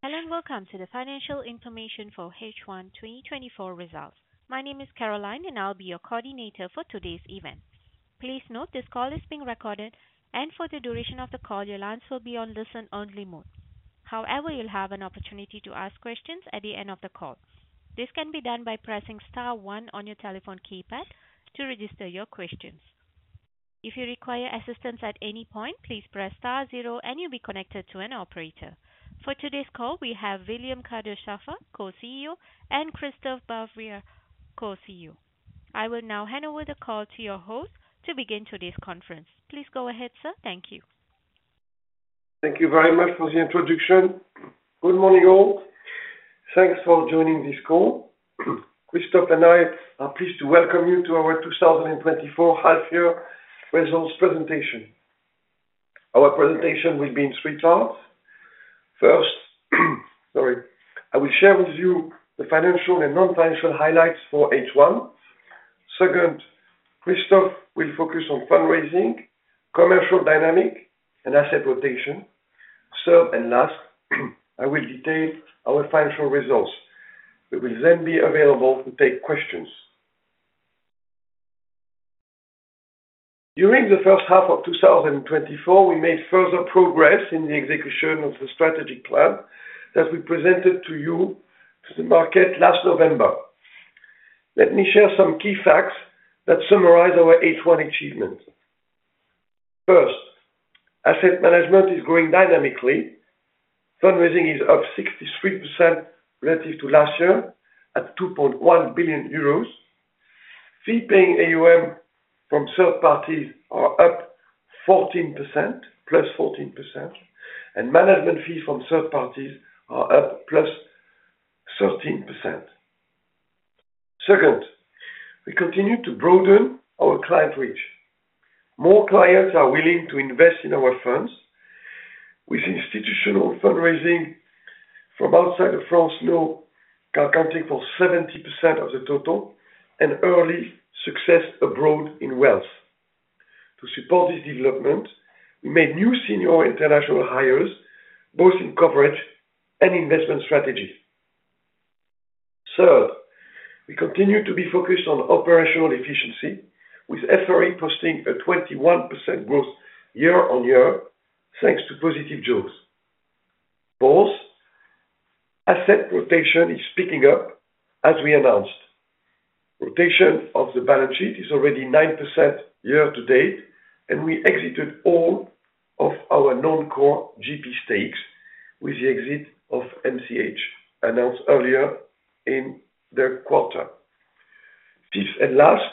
Hello and welcome to the financial information for H1 2024 Results. My name is Caroline, and I'll be your coordinator for today's event. Please note this call is being recorded, and for the duration of the call, your lines will be on listen-only mode. However, you'll have an opportunity to ask questions at the end of the call. This can be done by pressing star one on your telephone keypad to register your questions. If you require assistance at any point, please press star zero, and you'll be connected to an operator. For today's call, we have William Kadouch-Chassaing, Co-CEO, and Christophe Bavière, Co-CEO. I will now hand over the call to your host to begin today's conference. Please go ahead, sir. Thank you. Thank you very much for the introduction. Good morning, all. Thanks for joining this call. Christophe and I are pleased to welcome you to our 2024 Half-Year Results presentation. Our presentation will be in three parts. First, sorry, I will share with you the financial and non-financial highlights for H1. Second, Christophe will focus on fundraising, commercial dynamic, and asset rotation. Third and last, I will detail our financial results. We will then be available to take questions. During the first half of 2024, we made further progress in the execution of the strategic plan that we presented to you, to the market last November. Let me share some key facts that summarize our H1 achievements. First, asset management is growing dynamically. Fundraising is up 63% relative to last year at 2.1 billion euros. Fee-paying AUM from third parties are up 14%, +14%, and management fees from third parties are up +13%. Second, we continue to broaden our client reach. More clients are willing to invest in our funds. With institutional fundraising from outside of France now accounting for 70% of the total, and early success abroad in wealth. To support this development, we made new senior international hires, both in coverage and investment strategy. Third, we continue to be focused on operational efficiency, with FRE posting a 21% growth year-over-year, thanks to positive jaws. Fourth, asset rotation is picking up as we announced. Rotation of the balance sheet is already 9% year to date, and we exited all of our non-core GP stakes with the exit of MCH announced earlier in the quarter. Fifth and last,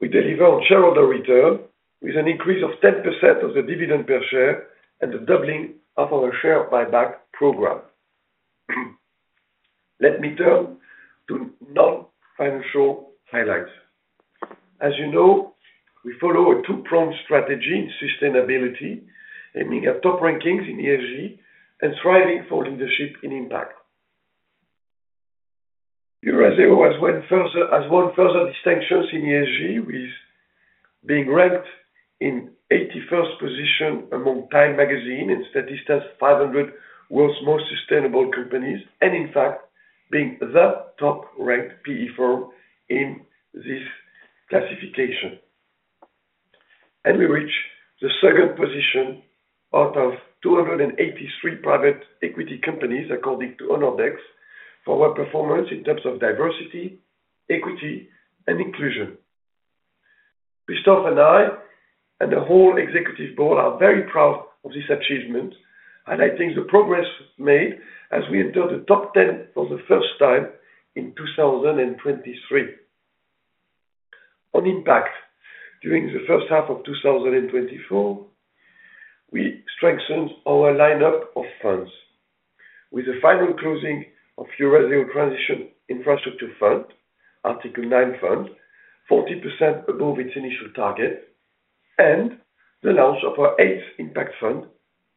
we deliver on shareholder return with an increase of 10% of the dividend per share and the doubling of our share buyback program. Let me turn to non-financial highlights. As you know, we follow a two-pronged strategy in sustainability, aiming at top rankings in ESG and striving for leadership in impact. Eurazeo has won further distinctions in ESG, with being ranked in 81st position among Time magazine and Statista's 500 world's most sustainable companies, and in fact, being the top-ranked PE firm in this classification. We reached the second position out of 283 Private Equity companies, according to Honordex, for our performance in terms of diversity, equity, and inclusion. Christophe and I and the whole executive board are very proud of this achievement, highlighting the progress made as we entered the top 10 for the first time in 2023. On impact, during the first half of 2024, we strengthened our lineup of funds with the final closing of Eurazeo Transition Infrastructure Fund, Article 9 Fund, 40% above its initial target, and the launch of our eighth impact fund,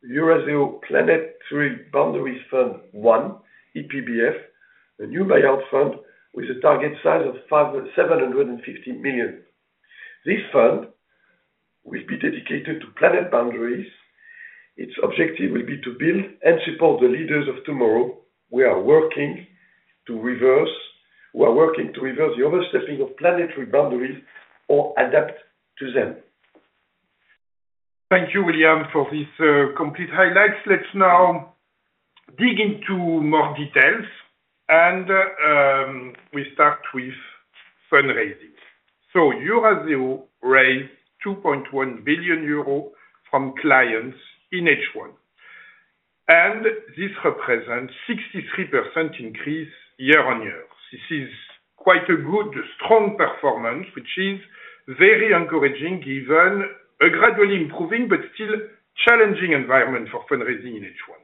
Eurazeo Planetary Boundaries Fund One, EPBF, a new Buyout fund with a target size of 750 million. This fund will be dedicated to planet boundaries. Its objective will be to build and support the leaders of tomorrow. We are working to reverse the overstepping of planetary boundaries or adapt to them. Thank you, William, for these complete highlights. Let's now dig into more details, and we start with fundraising. So Eurazeo raised 2.1 billion euro from clients in H1, and this represents a 63% increase year-over-year. This is quite a good, strong performance, which is very encouraging given a gradually improving but still challenging environment for fundraising in H1.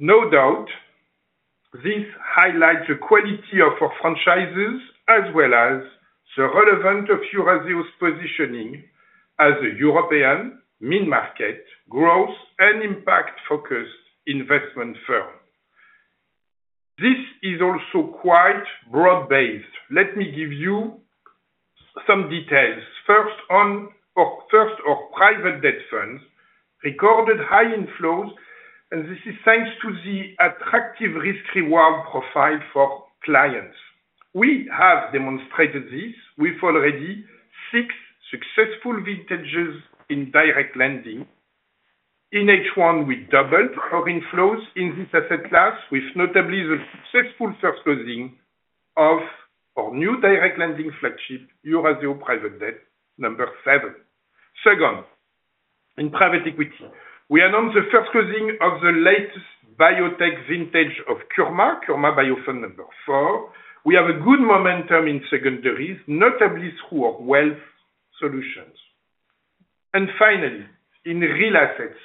No doubt, this highlights the quality of our franchises as well as the relevance of Eurazeo's positioning as a European, mid-market, growth, and impact-focused investment firm. This is also quite broad-based. Let me give you some details. First, our Private Debt funds recorded high inflows, and this is thanks to the attractive risk-reward profile for clients. We have demonstrated this with already six successful vintages in direct lending. In H1, we doubled our inflows in this asset class, with notably the successful first closing of our new direct lending flagship, Eurazeo Private Debt number seven. Second, in Private Equity, we announced the first closing of the latest biotech vintage of Kurma, Kurma Biofund IV. We have a good momentum in secondaries, notably through our wealth solutions. And finally, in Real Assets,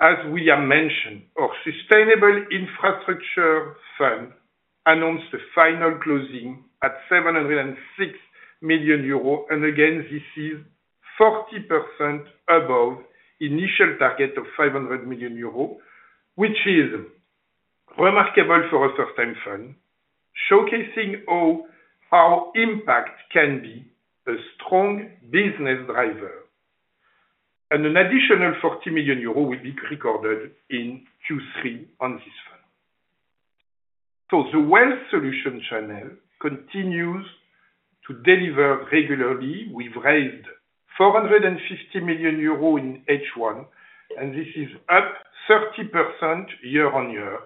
as William mentioned, our sustainable infrastructure fund announced the final closing at 706 million euros, and again, this is 40% above the initial target of 500 million euros, which is remarkable for a first-time fund, showcasing how impact can be a strong business driver. And an additional 40 million euro will be recorded in Q3 on this fund. So the wealth solution channel continues to deliver regularly. We've raised 450 million euro in H1, and this is up 30% year-on-year,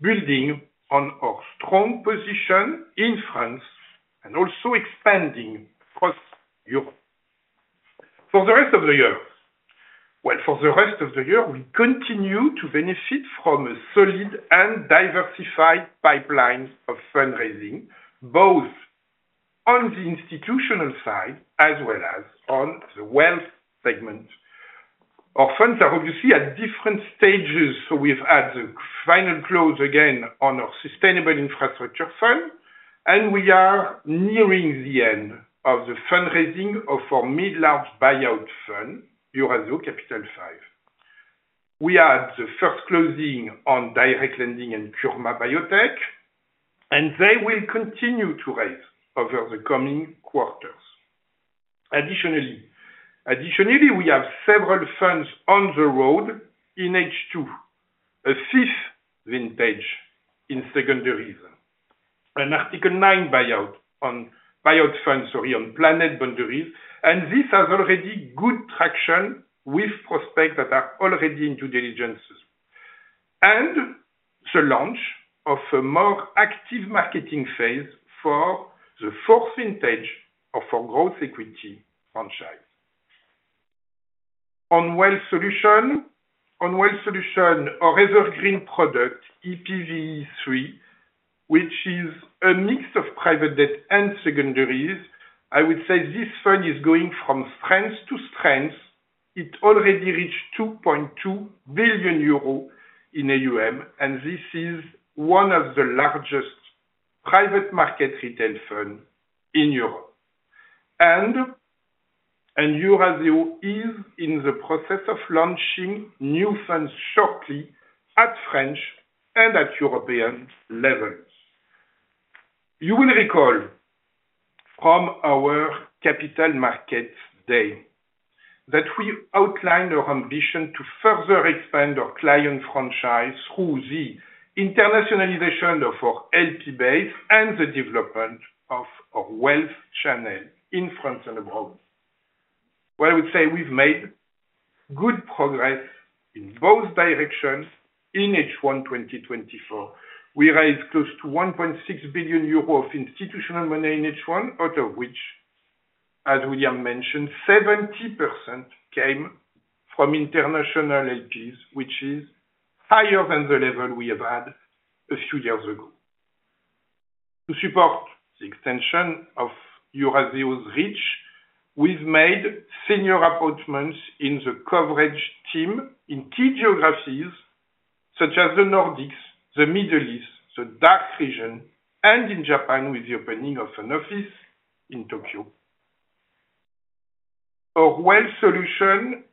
building on our strong position in France and also expanding across Europe. For the rest of the year well, for the rest of the year, we continue to benefit from a solid and diversified pipeline of fundraising, both on the institutional side as well as on the wealth segment. Our funds are obviously at different stages. So we've had the final close again on our sustainable infrastructure fund, and we are nearing the end of the fundraising of our mid-large Buyout fund, Eurazeo Capital V. We had the first closing on direct lending and Kurma Biotech, and they will continue to raise over the coming quarters. Additionally, we have several funds on the road in H2, a fifth vintage in secondaries, an Article 9 Buyout fund, sorry, on planetary boundaries, and this has already good traction with prospects that are already in due diligence, and the launch of a more active marketing phase for the fourth vintage of our growth equity franchise. On wealth solution, our evergreen product, EPVE3, which is a mix of Private Debt and secondaries, I would say this fund is going from strength to strength. It already reached 2.2 billion euro in AUM, and this is one of the largest private market retail funds in Europe. Eurazeo is in the process of launching new funds shortly at French and at European levels. You will recall from our capital markets day that we outlined our ambition to further expand our client franchise through the internationalization of our LP base and the development of our wealth channel in France and abroad. Well, I would say we've made good progress in both directions in H1 2024. We raised close to 1.6 billion euro of institutional money in H1, out of which, as William mentioned, 70% came from international LPs, which is higher than the level we have had a few years ago. To support the extension of Eurazeo's reach, we've made senior appointments in the coverage team in key geographies such as the Nordics, the Middle East, the DACH Region, and in Japan with the opening of an office in Tokyo. Our wealth solutions,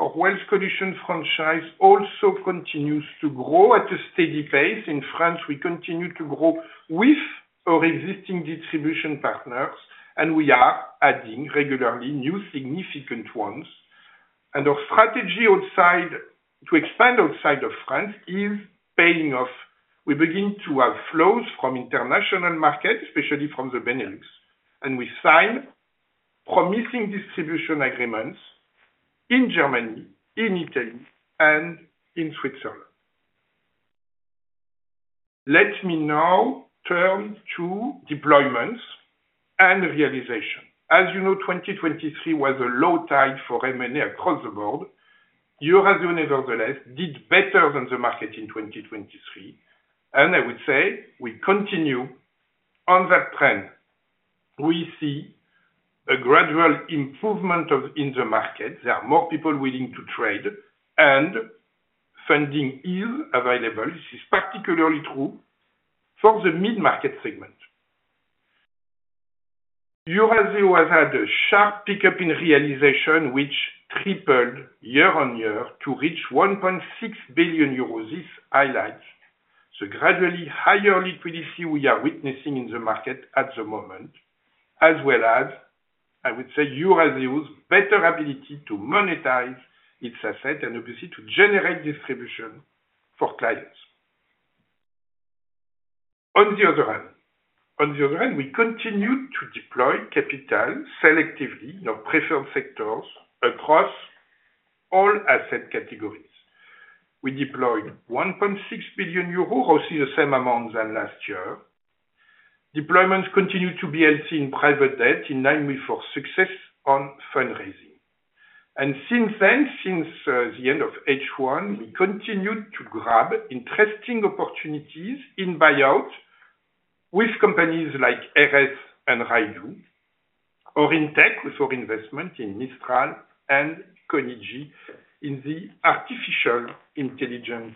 our wealth solutions franchise also continues to grow at a steady pace. In France, we continue to grow with our existing distribution partners, and we are adding regularly new significant ones. Our strategy to expand outside of France is paying off. We begin to have flows from international markets, especially from the Benelux, and we sign promising distribution agreements in Germany, in Italy, and in Switzerland. Let me now turn to deployments and realization. As you know, 2023 was a low tide for M&A across the board. Eurazeo, nevertheless, did better than the market in 2023, and I would say we continue on that trend. We see a gradual improvement in the market. There are more people willing to trade, and funding is available. This is particularly true for the mid-market segment. Eurazeo has had a sharp pickup in realization, which tripled year-on-year to reach 1.6 billion euros. This highlights the gradually higher liquidity we are witnessing in the market at the moment, as well as, I would say, Eurazeo's better ability to monetize its asset and obviously to generate distribution for clients. On the other hand, we continue to deploy capital selectively in our preferred sectors across all asset categories. We deployed 1.6 billion euros, roughly the same amount as last year. Deployments continue to be healthy in Private Debt, in line with our success on fundraising. And since then, since the end of H1, we continued to grab interesting opportunities in Buyouts with companies like EFESO and Rydoo, or in tech with our investment in Mistral and Cognigy in the artificial intelligence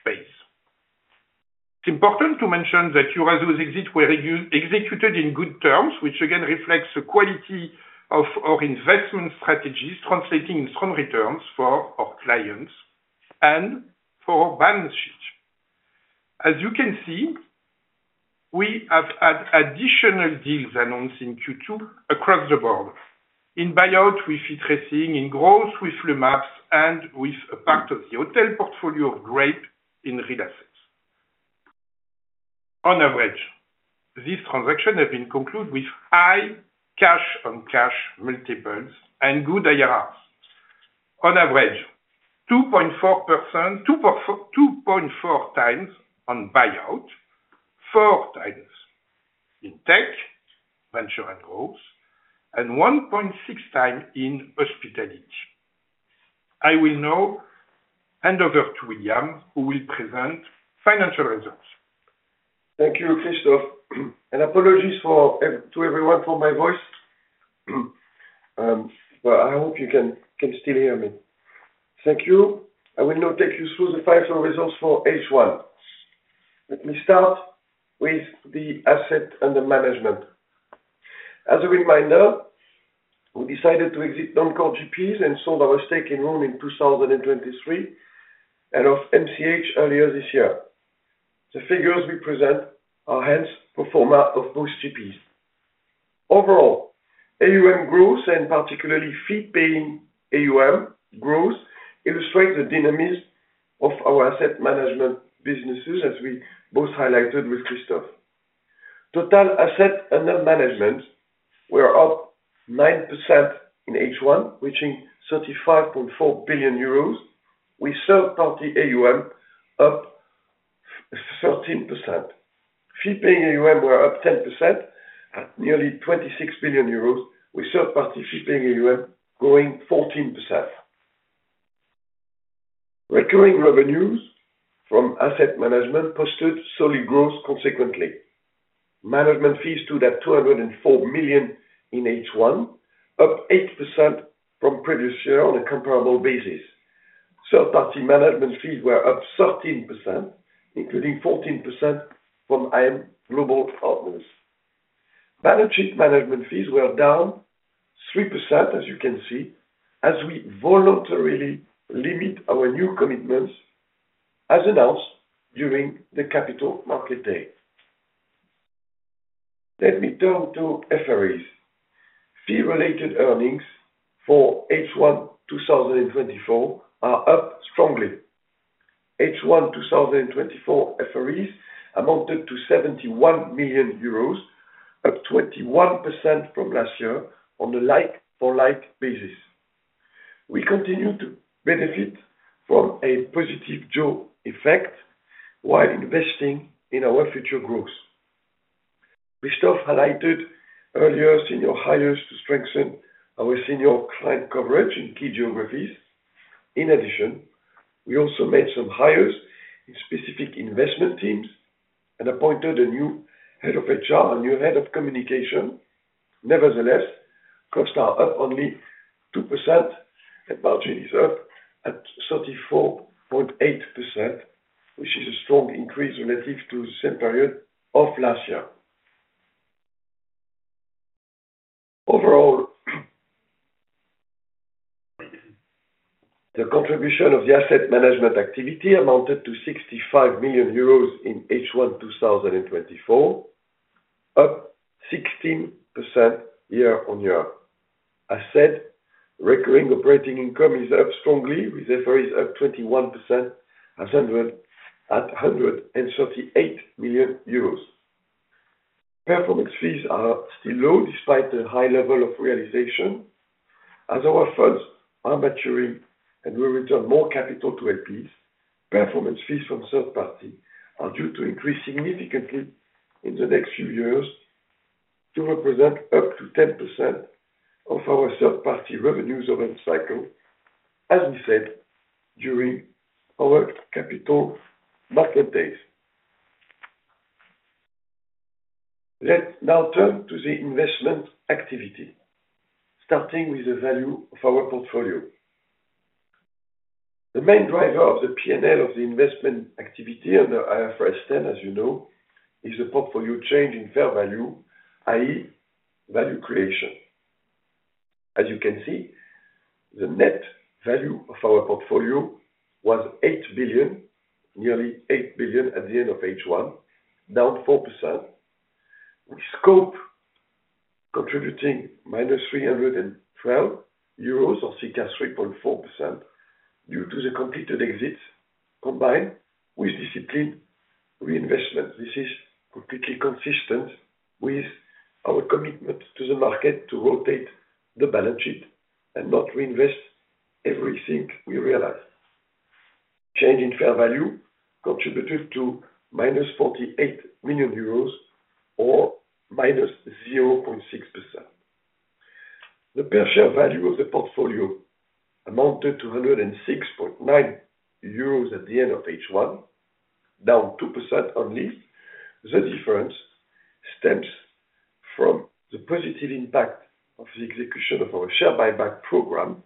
space. It's important to mention that Eurazeo's exit was executed in good terms, which again reflects the quality of our investment strategies, translating in strong returns for our clients and for our balance sheet. As you can see, we have had additional deals announced in Q2 across the board. In Buyout, we're investing in growth with LumApps and with a part of the hotel portfolio of Grape in Real Assets. On average, these transactions have been concluded with high cash-on-cash multiples and good IRRs. On average, 2.4x on Buyout, 4x in tech, Venture & Growth, and 1.6x in hospitality. I will now hand over to William, who will present financial results. Thank you, Christophe. And apologies to everyone for my voice, but I hope you can still hear me. Thank you. I will now take you through the financial results for H1. Let me start with the asset under management. As a reminder, we decided to exit non-core GPs and sold our stake in Rhône in 2023 and of MCH earlier this year. The figures we present are hence pro forma of both GPs. Overall, AUM growth, and particularly fee-paying AUM growth, illustrate the dynamism of our asset management businesses, as we both highlighted with Christophe. Total asset under management, we are up 9% in H1, reaching 35.4 billion euros. Third-party AUM up 13%. Fee-paying AUM, we're up 10% at nearly 26 billion euros. Third-party fee-paying AUM, growing 14%. Recurring revenues from asset management posted solid growth consequently. Management fees stood at 204 million in H1, up 8% from previous year on a comparable basis. Third-party management fees were up 13%, including 14% from iM Global Partner. Balance sheet management fees were down 3%, as you can see, as we voluntarily limit our new commitments as announced during the capital market day. Let me turn to FREs. Fee-related earnings for H1 2024 are up strongly. H1 2024 FREs amounted to 71 million euros, up 21% from last year on a like-for-like basis. We continue to benefit from a positive jaw effect while investing in our future growth. Christophe highlighted earlier senior hires to strengthen our senior client coverage in key geographies. In addition, we also made some hires in specific investment teams and appointed a new head of HR, a new head of communication. Nevertheless, costs are up only 2%, and margin is up at 34.8%, which is a strong increase relative to the same period of last year. Overall, the contribution of the asset management activity amounted to 65 million euros in H1 2024, up 16% year-over-year. As said, recurring operating income is up strongly, with FREs up 21% at 138 million euros. Performance fees are still low despite the high level of realization. As our funds are maturing and we return more capital to LPs, performance fees from third-party are due to increase significantly in the next few years to represent up to 10% of our third-party revenues over the cycle, as we said during our capital market days. Let's now turn to the investment activity, starting with the value of our portfolio. The main driver of the P&L of the investment activity under IFRS 10, as you know, is the portfolio change in fair value, i.e., value creation. As you can see, the net value of our portfolio was 8 billion, nearly 8 billion at the end of H1, down 4%. We saw contribution -EUR 312, or 3.4%, due to the completed exits combined with disciplined reinvestment. This is completely consistent with our commitment to the market to rotate the balance sheet and not reinvest everything we realize. Change in fair value contributed to -48 million euros, or -0.6%. The per-share value of the portfolio amounted to 106.9 euros at the end of H1, down 2% of this. The difference stems from the positive impact of the execution of our share buyback program,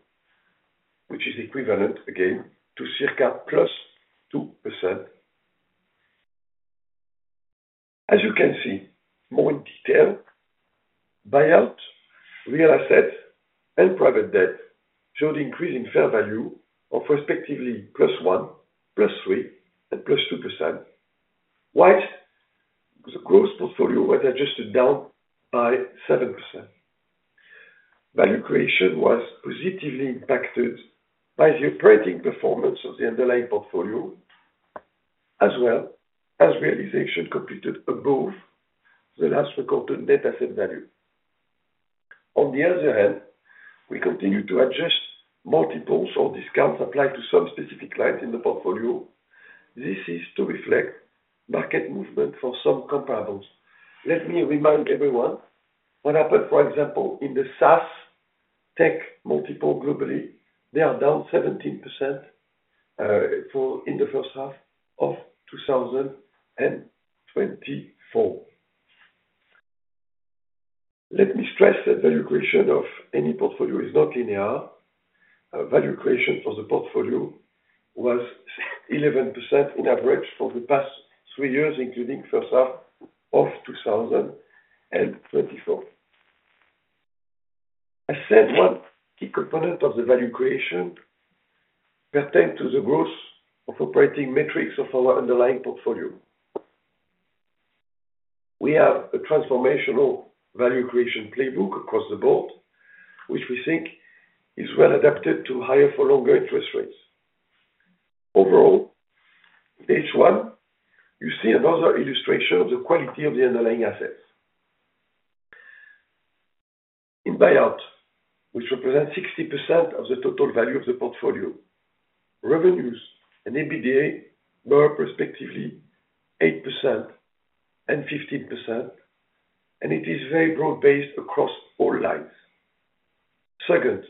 which is equivalent, again, to circa +2%. As you can see more in detail, Buyouts, Real Assets, and Private Debt showed increase in fair value of respectively +1%, +3%, and +2%, while the gross portfolio was adjusted down by 7%. Value creation was positively impacted by the operating performance of the underlying portfolio, as well as realization completed above the last recorded net asset value. On the other hand, we continue to adjust multiples or discounts applied to some specific clients in the portfolio. This is to reflect market movement for some comparables. Let me remind everyone what happened, for example, in the SaaS tech multiple globally. They are down 17% in the first half of 2024. Let me stress that value creation of any portfolio is not linear. Value creation for the portfolio was 11% in average for the past three years, including first half of 2024. As said, one key component of the value creation pertained to the growth of operating metrics of our underlying portfolio. We have a transformational value creation playbook across the board, which we think is well adapted to higher for longer interest rates. Overall, H1, you see another illustration of the quality of the underlying assets. In Buyout, which represents 60% of the total value of the portfolio, revenues and EBITDA were respectively 8% and 15%, and it is very broad-based across all lines. Second,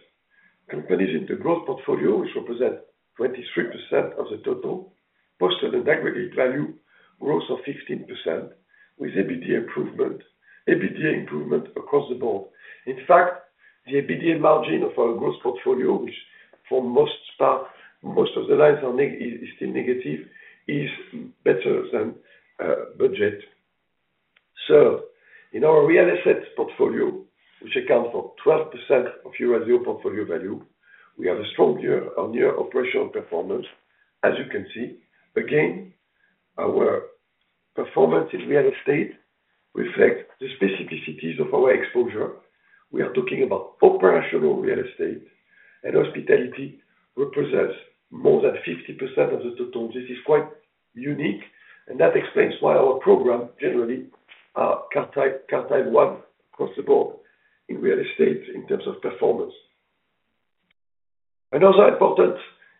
companies in the growth portfolio, which represent 23% of the total, posted an aggregate value growth of 15% with EBITDA improvement across the board. In fact, the EBITDA margin of our growth portfolio, which for most of the lines is still negative, is better than budget. Third, in our Real Assets portfolio, which accounts for 12% of Eurazeo portfolio value, we have a stronger year-on-year operational performance, as you can see. Again, our performance in real estate reflects the specificities of our exposure. We are talking about operational real estate, and hospitality represents more than 50% of the total. This is quite unique, and that explains why our programs generally are Category 1 across the board in real estate in terms of performance. Another important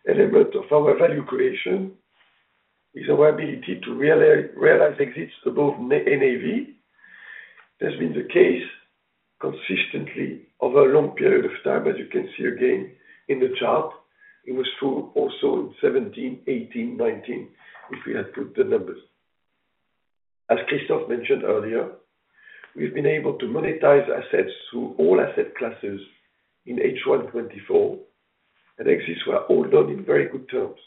element of our value creation is our ability to realize exits above NAV. It has been the case consistently over a long period of time, as you can see again in the chart. It was true also in 2017, 2018, 2019, if we had put the numbers. As Christophe mentioned earlier, we've been able to monetize assets through all asset classes in H1 2024, and exits were all done in very good terms.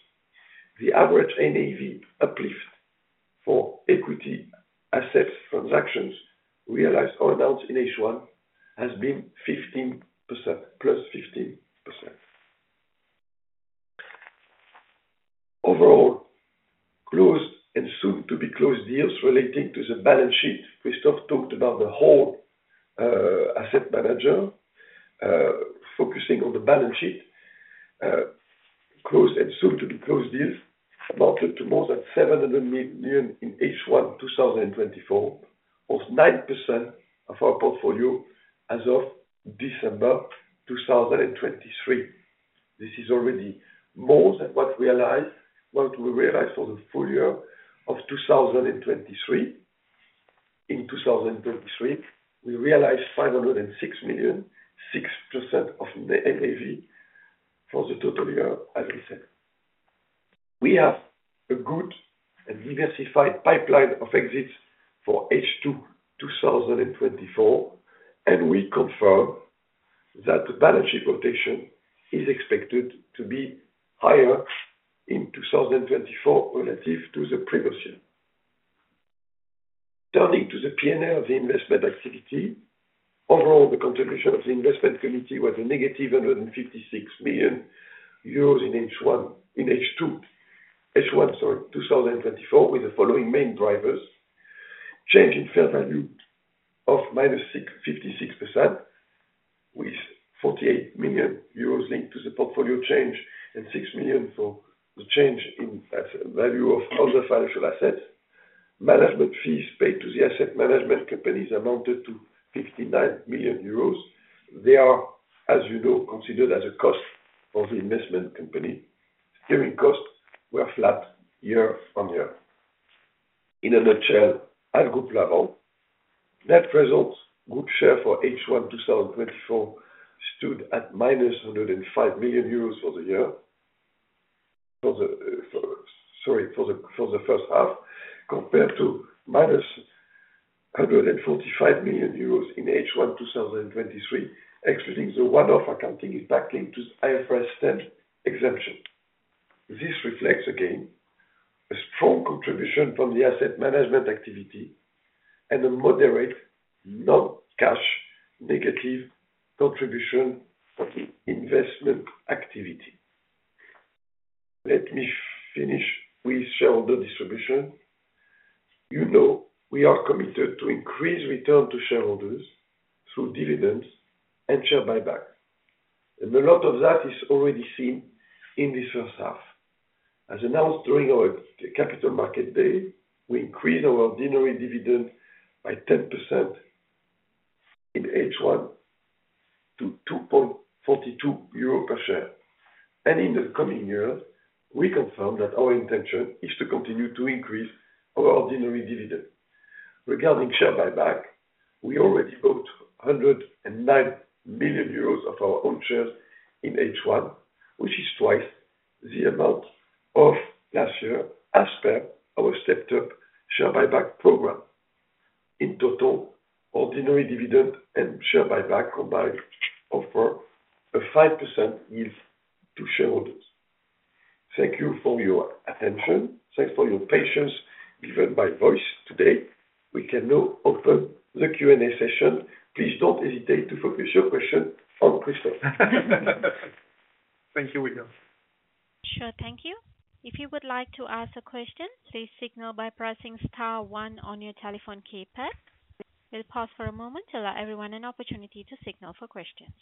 The average NAV uplift for equity assets transactions realized or announced in H1 has been 15%, +15%. Overall, closed and soon-to-be-closed deals relating to the balance sheet, Christophe talked about the whole asset manager focusing on the balance sheet. Closed and soon-to-be-closed deals amounted to more than 700 million in H1 2024, of 9% of our portfolio as of December 2023. This is already more than what we realized for the full year of 2023. In 2023, we realized 506 million, 6% of NAV for the total year, as I said. We have a good and diversified pipeline of exits for H2 2024, and we confirm that the balance sheet rotation is expected to be higher in 2024 relative to the previous year. Turning to the P&L of the investment activity, overall, the contribution of the investment committee was a negative 156 million euros in H1, in H2, with the following main drivers: change in fair value of -56%, with 48 million euros linked to the portfolio change, and 6 million for the change in value of other financial assets. Management fees paid to the asset management companies amounted to 59 million euros. They are, as you know, considered as a cost for the investment company. Steering costs were flat year-over-year. In a nutshell, as grouped above, net present group share for H1 2024 stood at -105 million euros for the year, sorry, for the first half, compared to -145 million euros in H1 2023, excluding the one-off accounting impact linked to IFRS 10 exemption. This reflects, again, a strong contribution from the asset management activity and a moderate non-cash negative contribution from the investment activity. Let me finish with shareholder distribution. You know we are committed to increase return to shareholders through dividends and share buybacks. A lot of that is already seen in the first half. As announced during our capital market day, we increased our ordinary dividend by 10% in H1 to 2.42 euro per share. In the coming year, we confirm that our intention is to continue to increase our ordinary dividend. Regarding share buyback, we already bought 109 million euros of our own shares in H1, which is twice the amount of last year as per our stepped-up share buyback program. In total, ordinary dividend and share buyback combined offer a 5% yield to shareholders. Thank you for your attention. Thanks for your patience given by voice today. We can now open the Q&A session. Please don't hesitate to focus your questions on Christophe. Thank you, William. Sure, thank you. If you would like to ask a question, please signal by pressing star one on your telephone keypad. We'll pause for a moment to allow everyone an opportunity to signal for questions.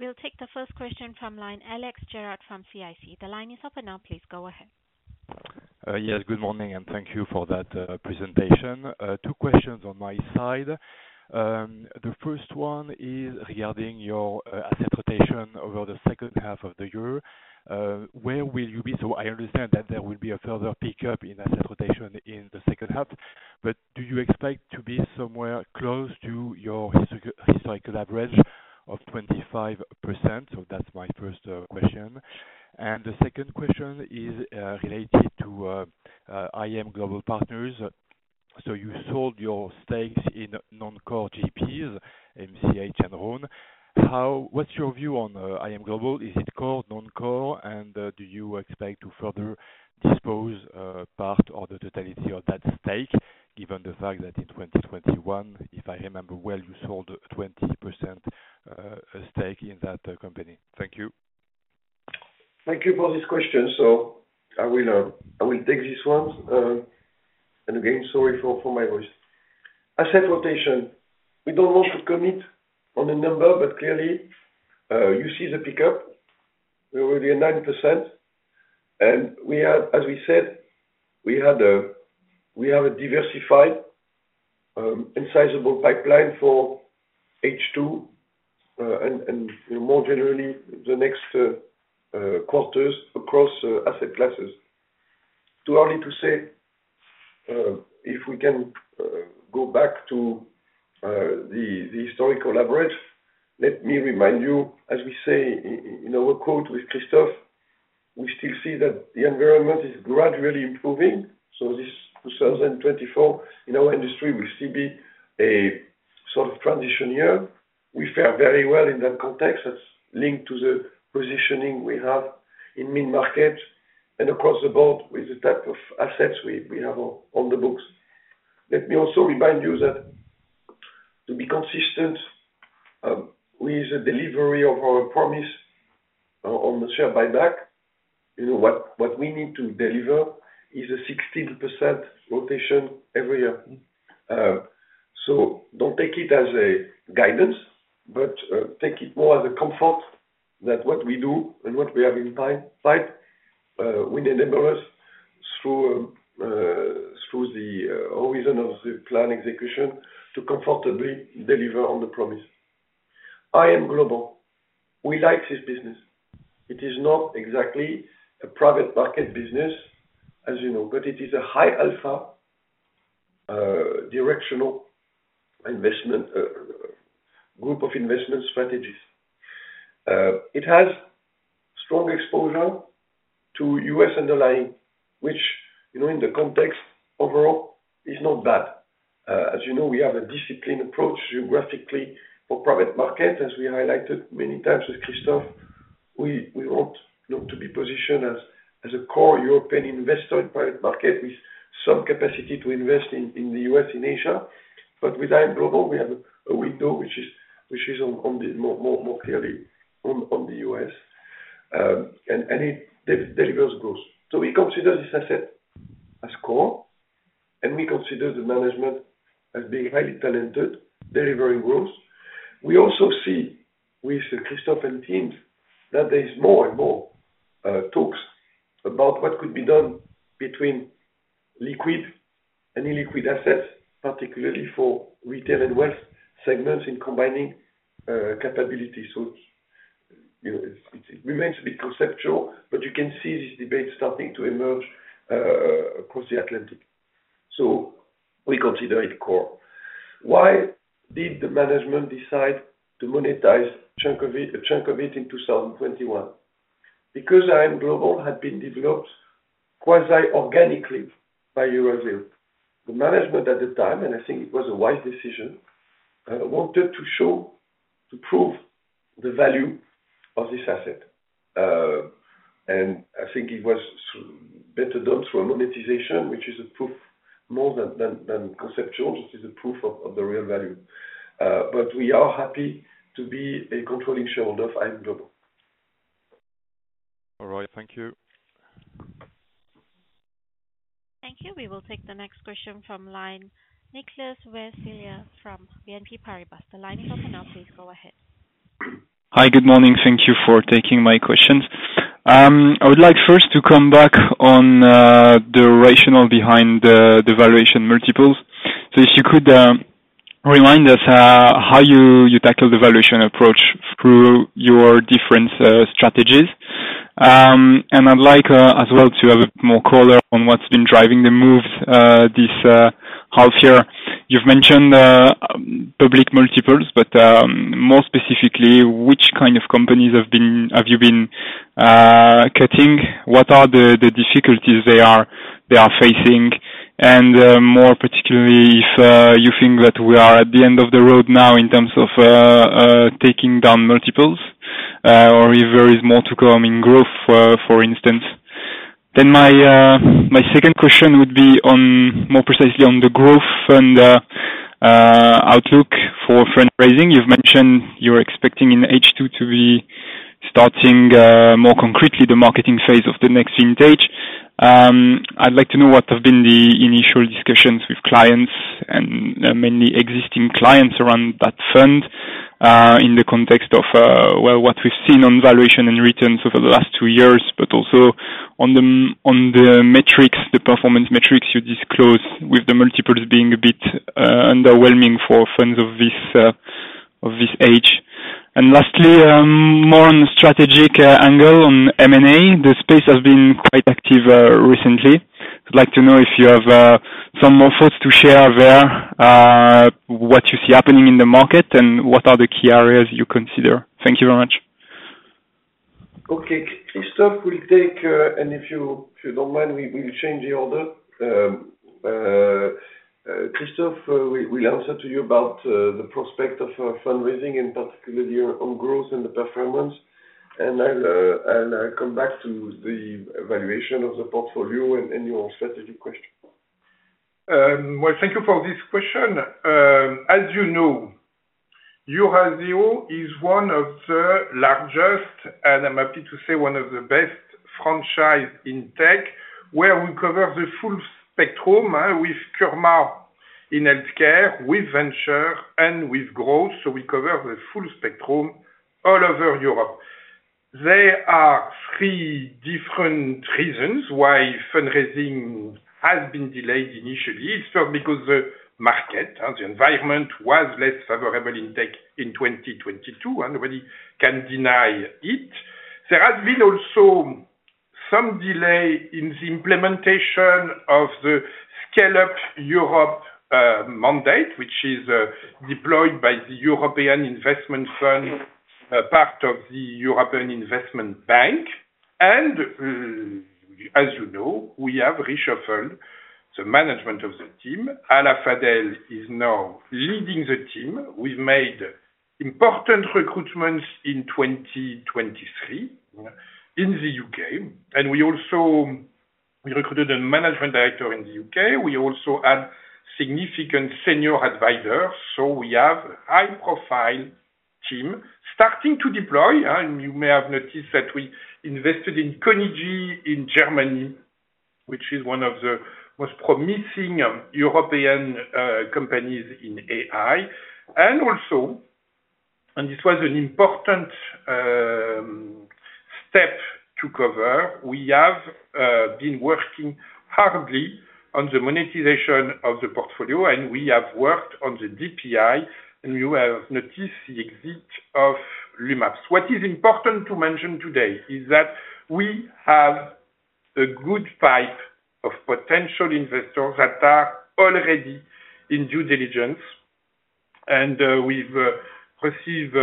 We'll take the first question from line Alexandre Gérard from CIC. The line is open now. Please go ahead. Yes, good morning, and thank you for that presentation. Two questions on my side. The first one is regarding your asset rotation over the second half of the year. Where will you be? So I understand that there will be a further pickup in asset rotation in the second half, but do you expect to be somewhere close to your historical average of 25%? So that's my first question. And the second question is related to iM Global Partner. So you sold your stakes in non-core GPs, MCH, and Rhône. What's your view on iM Global? Is it core, non-core, and do you expect to further dispose part or the totality of that stake, given the fact that in 2021, if I remember well, you sold 20% stake in that company? Thank you. Thank you for this question. So I will take this one. And again, sorry for my voice. Asset rotation, we don't want to commit on the number, but clearly, you see the pickup. We're already at 9%. And as we said, we have a diversified and sizable pipeline for H2 and more generally the next quarters across asset classes. Too early to say if we can go back to the historical average. Let me remind you, as we say in our quote with Christophe, we still see that the environment is gradually improving. So this 2024, in our industry, will still be a sort of transition year. We fare very well in that context. That's linked to the positioning we have in mid-market and across the board with the type of assets we have on the books. Let me also remind you that to be consistent with the delivery of our promise on the share buyback, what we need to deliver is a 16% rotation every year. So don't take it as a guidance, but take it more as a comfort that what we do and what we have in sight will enable us through the horizon of the plan execution to comfortably deliver on the promise. iM Global, we like this business. It is not exactly a private market business, as you know, but it is a high-alpha directional group of investment strategies. It has strong exposure to U.S. underlying, which in the context overall is not bad. As you know, we have a disciplined approach geographically for private markets. As we highlighted many times with Christophe, we want to be positioned as a core European investor in private market with some capacity to invest in the U.S. and Asia. But with iM Global, we have a window which is more clearly on the U.S., and it delivers growth. So we consider this asset as core, and we consider the management as being highly talented, delivering growth. We also see with Christophe and teams that there is more and more talks about what could be done between liquid and illiquid assets, particularly for retail and wealth segments in combining capabilities. So it remains a bit conceptual, but you can see this debate starting to emerge across the Atlantic. So we consider it core. Why did the management decide to monetize a chunk of it in 2021? Because iM Global had been developed quasi-organically by Eurazeo. The management at the time, and I think it was a wise decision, wanted to prove the value of this asset. And I think it was better done through a monetization, which is a proof more than conceptual. This is a proof of the real value. But we are happy to be a controlling shareholder of iM Global. All right, thank you. Thank you. We will take the next question from line Nicolas Casella from BNP Paribas. The line is open now. Please go ahead. Hi, good morning. Thank you for taking my questions. I would like first to come back on the rationale behind the valuation multiples. So if you could remind us how you tackle the valuation approach through your different strategies. And I'd like as well to have a bit more color on what's been driving the moves this half year. You've mentioned public multiples, but more specifically, which kind of companies have you been cutting? What are the difficulties they are facing? And more particularly, if you think that we are at the end of the road now in terms of taking down multiples or if there is more to come in growth, for instance. Then my second question would be more precisely on the growth and outlook for fundraising. You've mentioned you're expecting in H2 to be starting more concretely the marketing phase of the next vintage. I'd like to know what have been the initial discussions with clients and mainly existing clients around that fund in the context of what we've seen on valuation and returns over the last two years, but also on the metrics, the performance metrics you disclosed with the multiples being a bit underwhelming for funds of this age. And lastly, more on the strategic angle on M&A. The space has been quite active recently. I'd like to know if you have some more thoughts to share there, what you see happening in the market, and what are the key areas you consider. Thank you very much. Okay. Christophe will take a—and if you don't mind, we'll change the order. Christophe will answer to you about the prospect of fundraising, and particularly on growth and the performance. And I'll come back to the evaluation of the portfolio and your strategic question. Well, thank you for this question. As you know, Eurazeo is one of the largest, and I'm happy to say one of the best franchises in tech where we cover the full spectrum with Kurma in healthcare, with venture, and with growth. So we cover the full spectrum all over Europe. There are three different reasons why fundraising has been delayed initially. It's because the market, the environment, was less favorable in tech in 2022. Nobody can deny it. There has been also some delay in the implementation of the Scaleup Europe mandate, which is deployed by the European Investment Fund, part of the European Investment Bank. And as you know, we have reshuffled the management of the team. Hala Fadel is now leading the team. We've made important recruitments in 2023 in the UK. And we also recruited a management director in the UK. We also had significant senior advisors. So we have a high-profile team starting to deploy. And you may have noticed that we invested in Cognigy in Germany, which is one of the most promising European companies in AI. And also, and this was an important step to cover, we have been working hard on the monetization of the portfolio, and we have worked on the DPI, and you have noticed the exit of LumApps. What is important to mention today is that we have a good pipe of potential investors that are already in due diligence. And we've received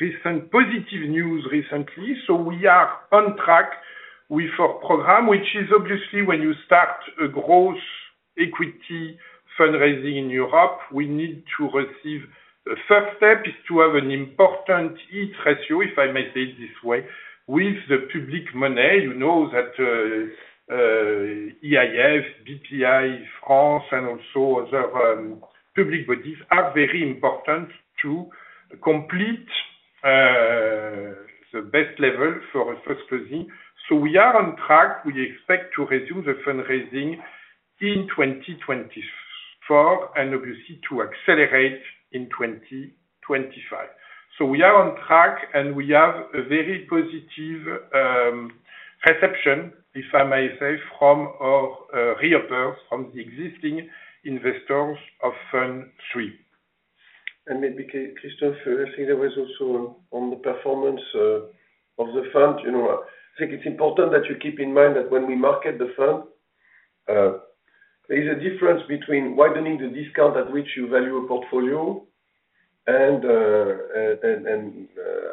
recent positive news recently. So we are on track with our program, which is obviously when you start a growth equity fundraising in Europe, we need to receive the first step is to have an important hit ratio, if I may say it this way, with the public money. You know that EIF, Bpifrance, and also other public bodies are very important to complete the best level for a first closing. So we are on track. We expect to resume the fundraising in 2024 and obviously to accelerate in 2025. So we are on track, and we have a very positive reception, if I may say, from our LPs, from the existing investors of Fund III. And maybe Christophe, I think there was also on the performance of the fund. I think it's important that you keep in mind that when we market the fund, there is a difference between widening the discount at which you value a portfolio and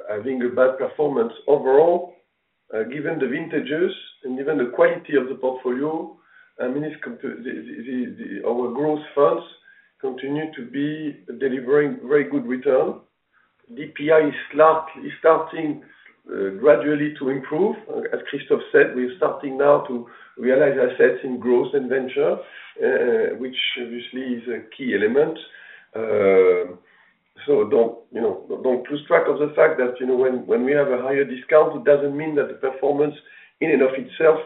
having a bad performance overall. Given the vintages and even the quality of the portfolio, I mean, our growth funds continue to be delivering very good return. DPI is starting gradually to improve. As Christophe said, we're starting now to realize assets in growth and venture, which obviously is a key element. So don't lose track of the fact that when we have a higher discount, it doesn't mean that the performance in and of itself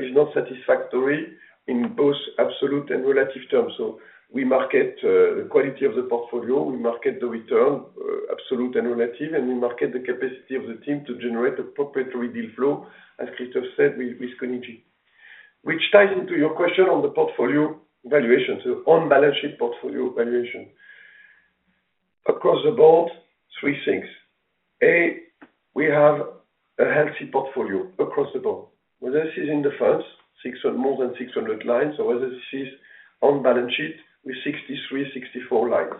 is not satisfactory in both absolute and relative terms. So we market the quality of the portfolio. We market the return, absolute and relative, and we market the capacity of the team to generate appropriate deal flow, as Christophe said, with Cognigy, which ties into your question on the portfolio valuation. So on-balance sheet portfolio valuation. Across the board, three things. A, we have a healthy portfolio across the board. Whether this is in the funds, more than 600 lines, or whether this is on-balance sheet with 63, 64 lines.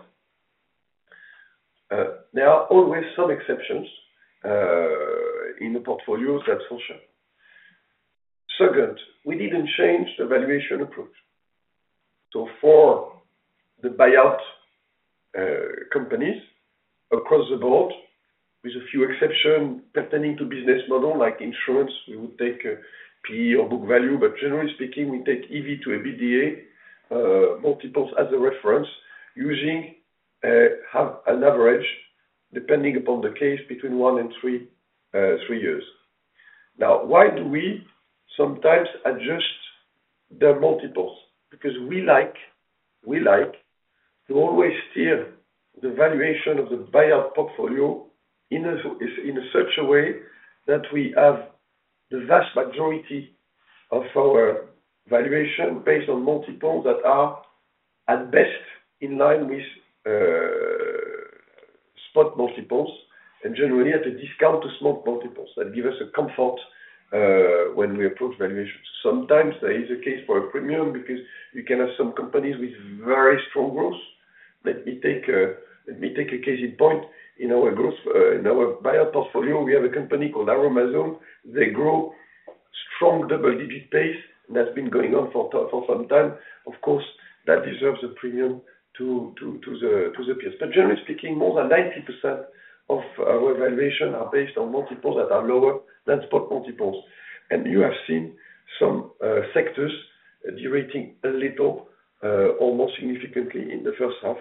There are always some exceptions in the portfolios that's for sure. Second, we didn't change the valuation approach. So for the Buyout companies across the board, with a few exceptions pertaining to business model like insurance, we would take PE or book value, but generally speaking, we take EV to EBITDA multiples as a reference using an average depending upon the case between one and three years. Now, why do we sometimes adjust the multiples? Because we like to always steer the valuation of the Buyout portfolio in such a way that we have the vast majority of our valuation based on multiples that are at best in line with spot multiples and generally at a discount to small multiples that give us a comfort when we approach valuation. Sometimes there is a case for a premium because you can have some companies with very strong growth. Let me take a case in point. In our Buyout portfolio, we have a company called Aroma-Zone. They grow strong double-digit pace, and that's been going on for some time. Of course, that deserves a premium to the peers. But generally speaking, more than 90% of our valuation are based on multiples that are lower than spot multiples. You have seen some sectors de-rating a little, almost significantly in the first half.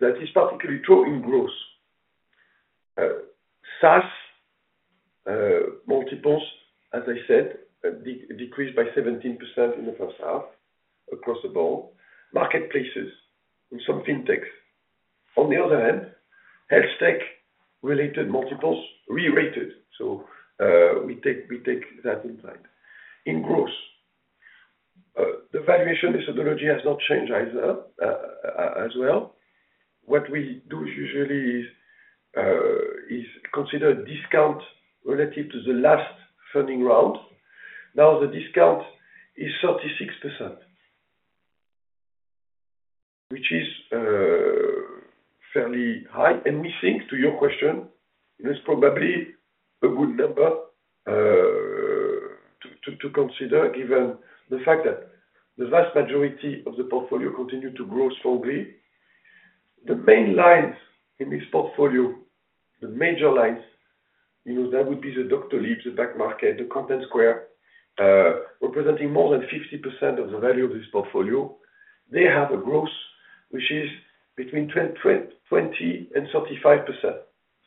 That is particularly true in growth. SaaS multiples, as I said, decreased by 17% in the first half across the board. Marketplaces and some fintechs. On the other hand, health tech-related multiples re-rated. So we take that in mind. In growth, the valuation methodology has not changed as well. What we do usually is consider a discount relative to the last funding round. Now, the discount is 36%, which is fairly high. We think, to your question, it's probably a good number to consider given the fact that the vast majority of the portfolio continued to grow strongly. The main lines in this portfolio, the major lines, that would be Doctolib, Back Market, Contentsquare, representing more than 50% of the value of this portfolio. They have a growth which is between 20%-35%,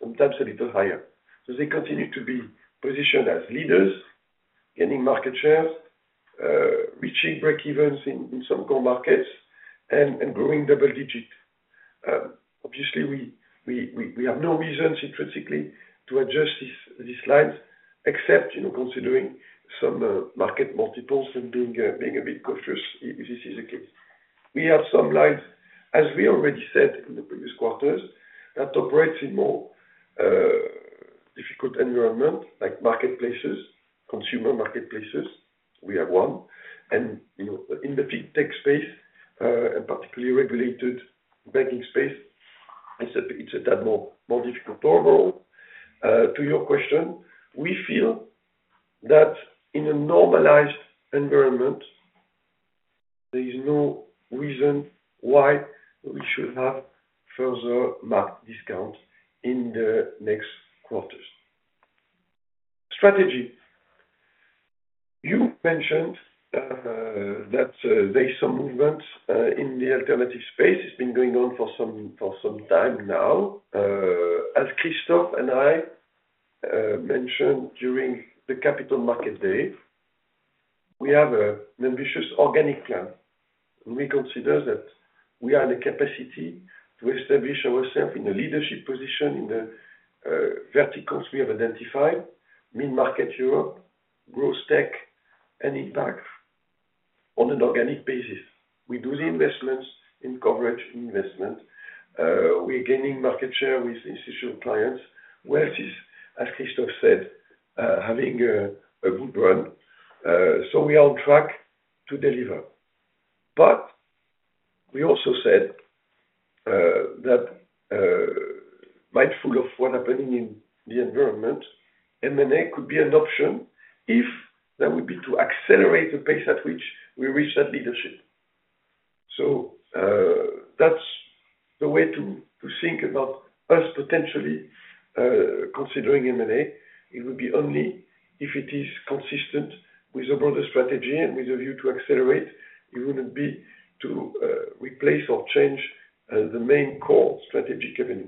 sometimes a little higher. So they continue to be positioned as leaders, gaining market shares, reaching breakevens in some core markets, and growing double-digit. Obviously, we have no reason intrinsically to adjust these lines, except considering some market multiples and being a bit cautious if this is the case. We have some lines, as we already said in the previous quarters, that operate in more difficult environments like marketplaces, consumer marketplaces. We have one. In the fintech space, and particularly regulated banking space, it's a tad more difficult overall. To your question, we feel that in a normalized environment, there is no reason why we should have further marked discounts in the next quarters. Strategy. You mentioned that there is some movement in the alternative space. It's been going on for some time now. As Christophe and I mentioned during the Capital Market Day, we have an ambitious organic plan. We consider that we are in a capacity to establish ourselves in a leadership position in the verticals we have identified: mid-market Europe, growth tech, and impact on an organic basis. We do the investments in coverage investment. We're gaining market share with institutional clients. Wealth is, as Christophe said, having a good run. So we are on track to deliver. But we also said that, mindful of what's happening in the environment, M&A could be an option if that would be to accelerate the pace at which we reach that leadership. So that's the way to think about us potentially considering M&A. It would be only if it is consistent with a broader strategy and with a view to accelerate. It wouldn't be to replace or change the main core strategic avenue.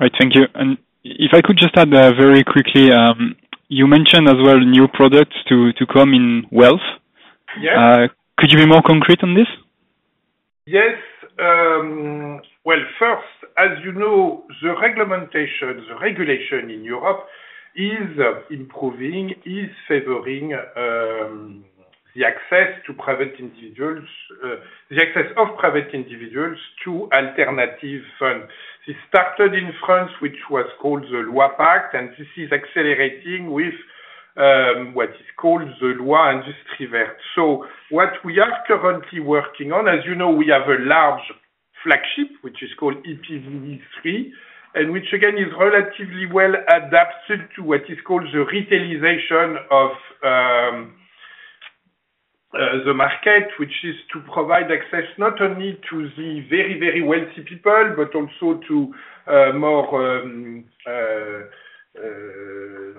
Right. Thank you. And if I could just add very quickly, you mentioned as well new products to come in wealth. Could you be more concrete on this? Yes. Well, first, as you know, the regulation in Europe is improving, is favoring the access of private individuals to alternative funds. It started in France, which was called the Loi PACTE, and this is accelerating with what is called the Loi Industrie Verte. So what we are currently working on, as you know, we have a large flagship, which is called EPVE3, and which, again, is relatively well adapted to what is called the retailization of the market, which is to provide access not only to the very, very wealthy people, but also to more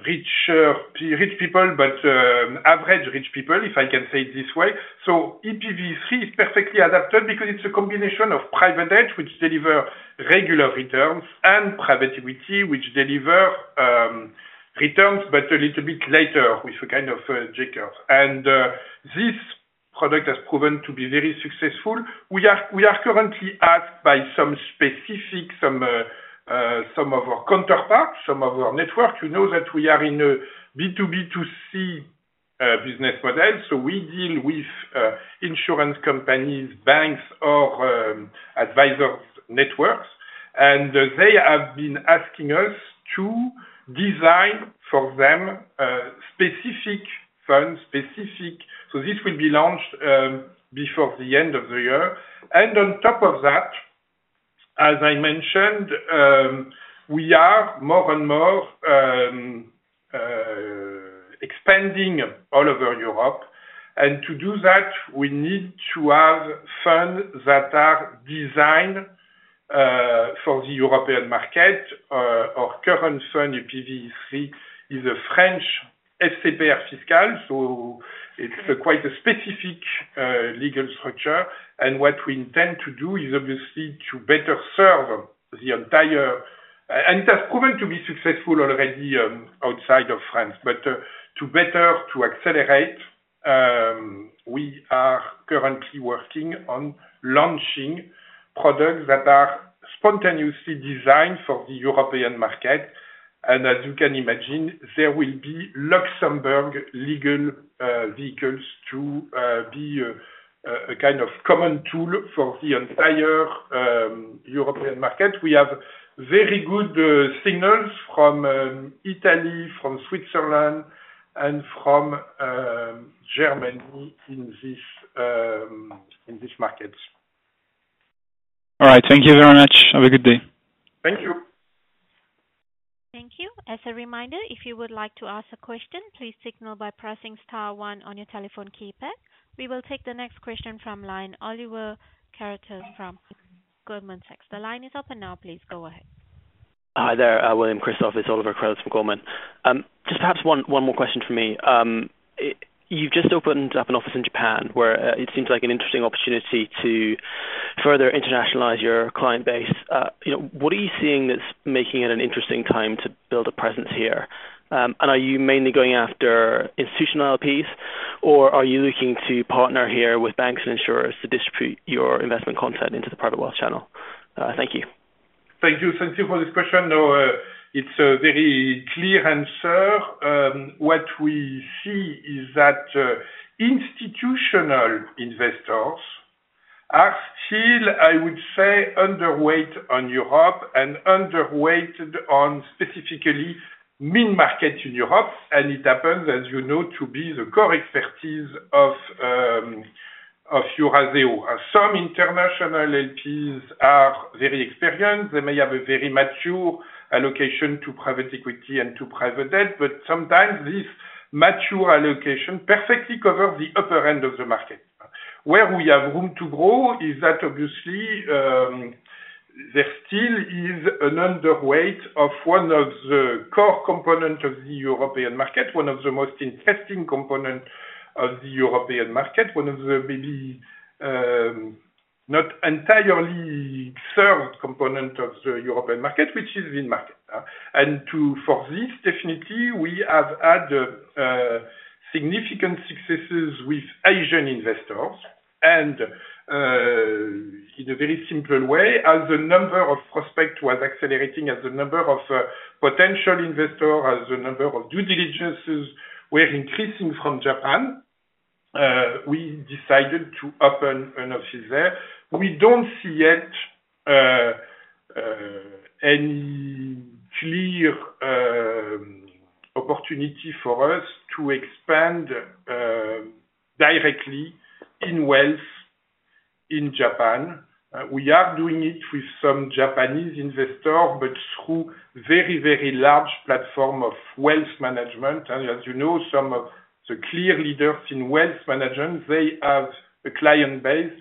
rich people, but average rich people, if I can say it this way. So EPVE3 is perfectly adapted because it's a combination of Private Debt, which delivers regular returns, and Private Equity, which delivers returns, but a little bit later with a kind of kickers. And this product has proven to be very successful. We are currently asked by some specific, some of our counterparts, some of our network, you know that we are in a B2B2C business model. So we deal with insurance companies, banks, or advisors' networks. They have been asking us to design for them specific funds. So this will be launched before the end of the year. On top of that, as I mentioned, we are more and more expanding all over Europe. To do that, we need to have funds that are designed for the European market. Our current fund, EPVE3, is a French FCPR fiscal. So it's quite a specific legal structure. What we intend to do is obviously to better serve the entire, and it has proven to be successful already outside of France, but to better accelerate, we are currently working on launching products that are spontaneously designed for the European market. As you can imagine, there will be Luxembourg legal vehicles to be a kind of common tool for the entire European market. We have very good signals from Italy, from Switzerland, and from Germany in this market. All right. Thank you very much. Have a good day. Thank you. Thank you. As a reminder, if you would like to ask a question, please signal by pressing star one on your telephone keypad. We will take the next question from Oliver Carruthers from Goldman Sachs. The line is open now. Please go ahead. Hi there, William, Christophe. It's Oliver Carruthers from Goldman Sachs. Just perhaps one more question from me. You've just opened up an office in Japan, where it seems like an interesting opportunity to further internationalize your client base. What are you seeing that's making it an interesting time to build a presence here? Are you mainly going after institutional LPs, or are you looking to partner here with banks and insurers to distribute your investment content into the private wealth channel? Thank you. Thank you. Thank you for this question. It's a very clear answer. What we see is that institutional investors are still, I would say, underweight on Europe and underweight on specifically mid-market in Europe. And it happens, as you know, to be the core expertise of Eurazeo. Some international LPs are very experienced. They may have a very mature allocation to Private Equity and to Private Debt, but sometimes this mature allocation perfectly covers the upper end of the market. Where we have room to grow is that obviously there still is an underweight of one of the core components of the European market, one of the most interesting components of the European market, one of the maybe not entirely served components of the European market, which is mid-market. For this, definitely, we have had significant successes with Asian investors. In a very simple way, as the number of prospects was accelerating, as the number of potential investors, as the number of due diligences were increasing from Japan, we decided to open an office there. We don't see yet any clear opportunity for us to expand directly in wealth in Japan. We are doing it with some Japanese investors, but through a very, very large platform of wealth management. And as you know, some of the clear leaders in wealth management, they have a client base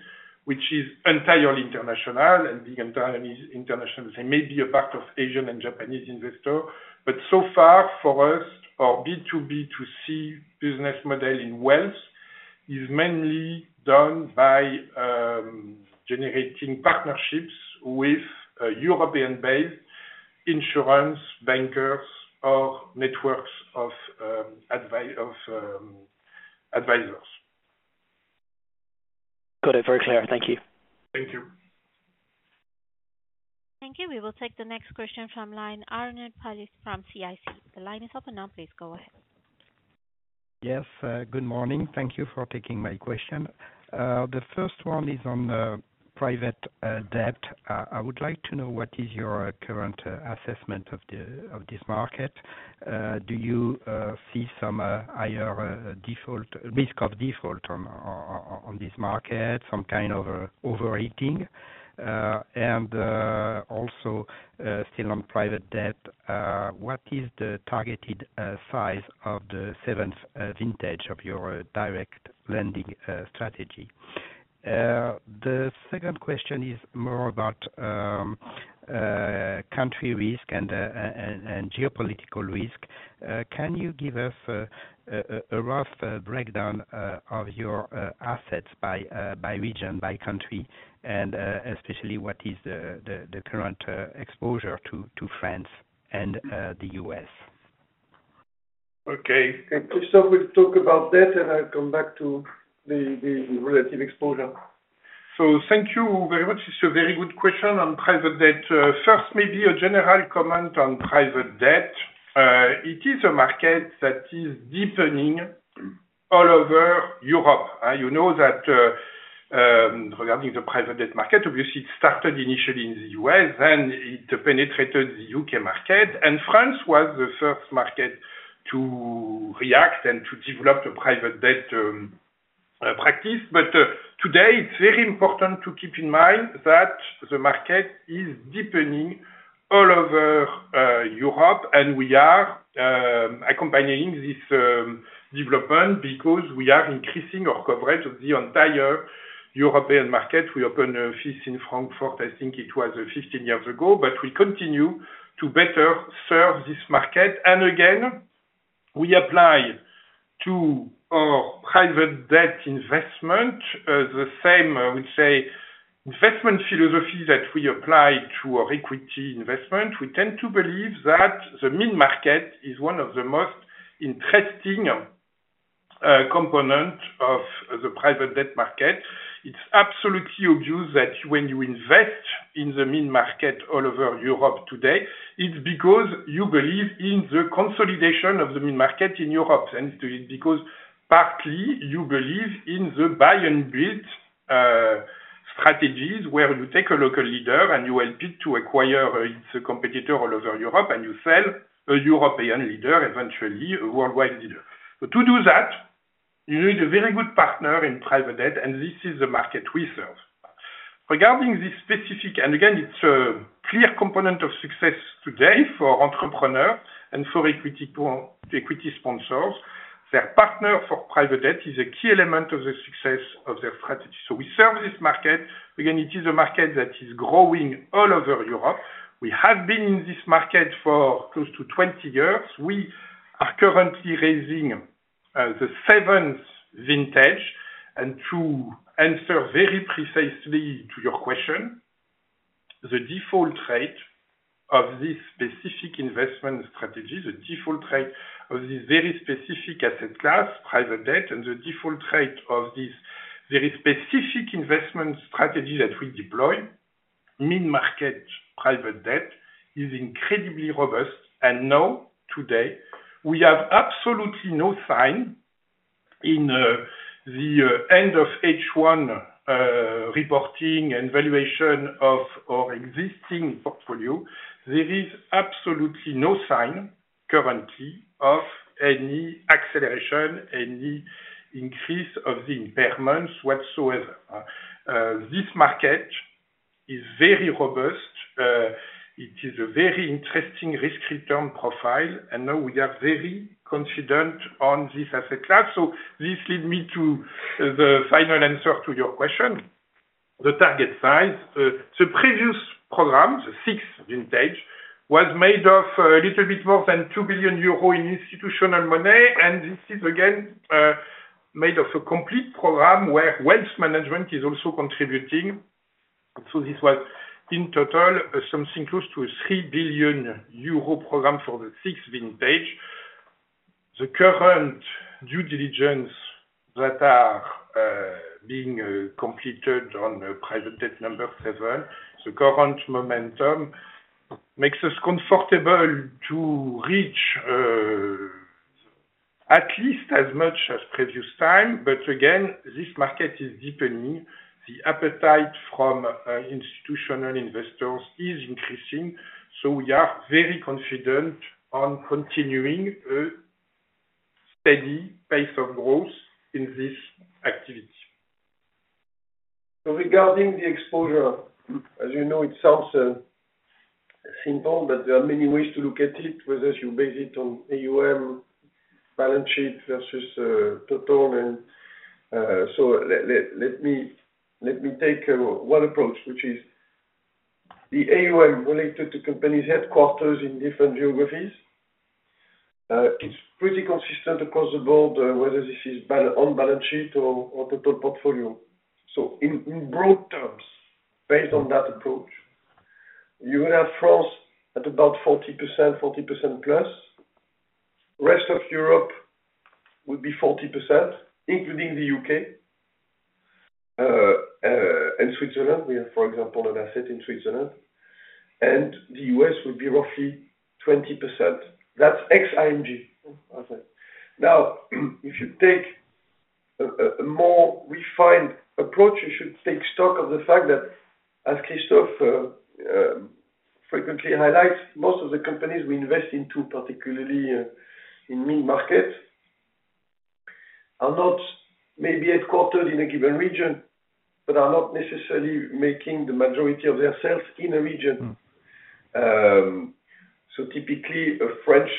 which is entirely international, and being entirely international, they may be a part of Asian and Japanese investors. But so far, for us, our B2B2C business model in wealth is mainly done by generating partnerships with European-based insurance bankers or networks of advisors. Got it. Very clear. Thank you. Thank you. Thank you. We will take the next question from line Arnaud Palliez from CIC. The line is open now. Please go ahead. Yes. Good morning. Thank you for taking my question. The first one is on Private Debt. I would like to know what is your current assessment of this market? Do you see some higher risk of default on this market, some kind of overrating? And also, still on Private Debt, what is the targeted size of the seventh vintage of your direct lending strategy? The second question is more about country risk and geopolitical risk. Can you give us a rough breakdown of your assets by region, by country, and especially what is the current exposure to France and the U.S.? Okay. And Christophe will talk about that, and I'll come back to the relative exposure. So thank you very much. It's a very good question on Private Debt. First, maybe a general comment on Private Debt. It is a market that is deepening all over Europe. You know that regarding the Private Debt market, obviously, it started initially in the U.S., then it penetrated the U.K. market. And France was the first market to react and to develop a Private Debt practice. But today, it's very important to keep in mind that the market is deepening all over Europe, and we are accompanying this development because we are increasing our coverage of the entire European market. We opened an office in Frankfurt, I think it was 15 years ago, but we continue to better serve this market. And again, we apply to our Private Debt investment the same, I would say, investment philosophy that we apply to our equity investment. We tend to believe that the mid-market is one of the most interesting components of the Private Debt market. It's absolutely obvious that when you invest in the mid-market all over Europe today, it's because you believe in the consolidation of the mid-market in Europe. It's because partly you believe in the buy-and-build strategies where you take a local leader and you help it to acquire its competitor all over Europe, and you sell a European leader, eventually a worldwide leader. To do that, you need a very good partner in Private Debt, and this is the market we serve. Regarding this specific, and again, it's a clear component of success today for entrepreneurs and for equity sponsors, their partner for Private Debt is a key element of the success of their strategy. We serve this market. Again, it is a market that is growing all over Europe. We have been in this market for close to 20 years. We are currently raising the seventh vintage. To answer very precisely to your question, the default rate of this specific investment strategy, the default rate of this very specific asset class, Private Debt, and the default rate of this very specific investment strategy that we deploy, mid-market Private Debt, is incredibly robust. And now, today, we have absolutely no sign in the end of H1 reporting and valuation of our existing portfolio. There is absolutely no sign currently of any acceleration, any increase of the impairments whatsoever. This market is very robust. It is a very interesting risk-return profile. And now we are very confident on this asset class. So this leads me to the final answer to your question, the target size. The previous program, the sixth vintage, was made of a little bit more than 2 billion euro in institutional money. This is, again, made of a complete program where wealth management is also contributing. This was, in total, something close to 3 billion euro program for the sixth vintage. The current due diligence that are being completed on Private Debt number seven. The current momentum makes us comfortable to reach at least as much as previous time. Again, this market is deepening. The appetite from institutional investors is increasing. We are very confident on continuing a steady pace of growth in this activity. Regarding the exposure, as you know, it sounds simple, but there are many ways to look at it, whether you base it on AUM balance sheet versus total. Let me take one approach, which is the AUM related to companies' headquarters in different geographies. It's pretty consistent across the board, whether this is on balance sheet or total portfolio. So in broad terms, based on that approach, you would have France at about 40%, 40%+. Rest of Europe would be 40%, including the U.K. and Switzerland. We have, for example, an asset in Switzerland. And the U.S. would be roughly 20%. That's ex-ING. Now, if you take a more refined approach, you should take stock of the fact that, as Christophe frequently highlights, most of the companies we invest into, particularly in mid-market, are not maybe headquartered in a given region, but are not necessarily making the majority of their sales in a region. So typically, a French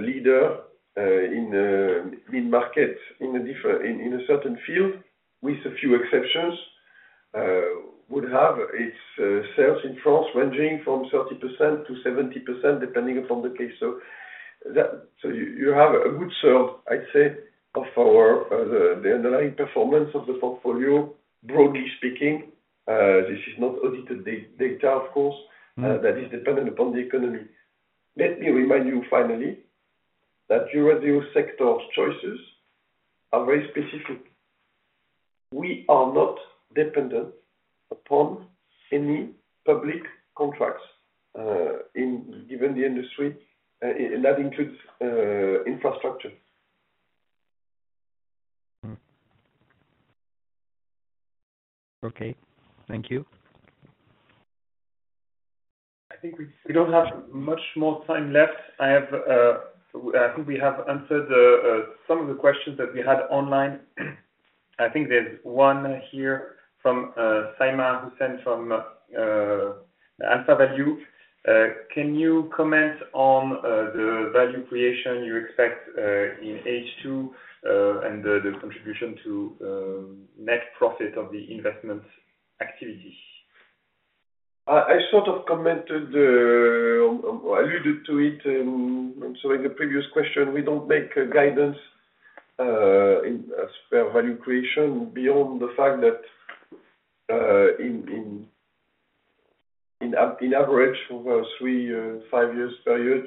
leader in mid-market in a certain field, with a few exceptions, would have its sales in France ranging from 30%-70%, depending upon the case. So you have a good sense, I'd say, of the underlying performance of the portfolio, broadly speaking. This is not audited data, of course, that is dependent upon the economy. Let me remind you finally that Eurazeo's sectors' choices are very specific. We are not dependent upon any public contracts in given the industry. And that includes infrastructure. Okay. Thank you. I think we don't have much more time left. I think we have answered some of the questions that we had online. I think there's one here from Saïma Hussain from AlphaValue. Can you comment on the value creation you expect in H2 and the contribution to net profit of the investment activity? I sort of commented or alluded to it. And so in the previous question, we don't make guidance in fair value creation beyond the fact that in average over a three to five years period,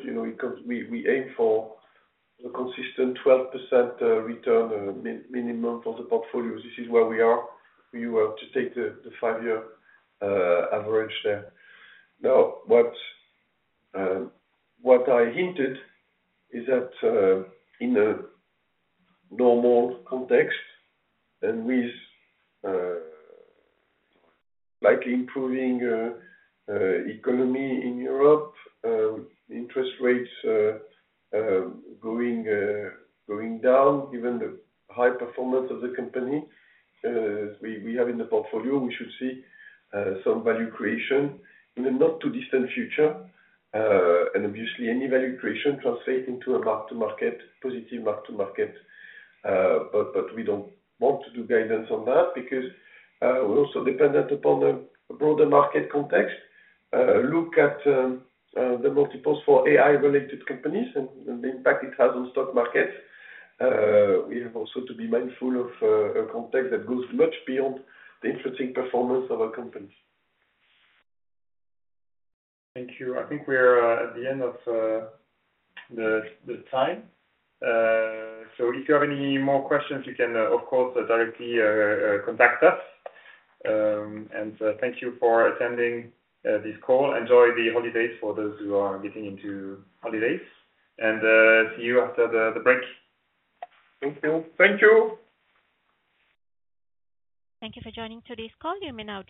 we aim for a consistent 12% return minimum for the portfolio. This is where we are. We were to take the five-year average there. Now, what I hinted is that in a normal context and with slightly improving economy in Europe, interest rates going down, given the high performance of the company we have in the portfolio, we should see some value creation in the not-too-distant future. Obviously, any value creation translates into a positive mark-to-market. But we don't want to do guidance on that because we're also dependent upon a broader market context. Look at the multiples for AI-related companies and the impact it has on stock markets. We have also to be mindful of a context that goes much beyond the interesting performance of our companies. Thank you. I think we're at the end of the time. So if you have any more questions, you can, of course, directly contact us. Thank you for attending this call. Enjoy the holidays for those who are getting into holidays. See you after the break. Thank you. Thank you. Thank you for joining today's call. You may now.